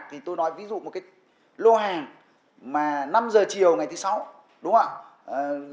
thì tôi nói ví dụ một cái lô hàng mà năm giờ chiều ngày thứ sáu đúng không ạ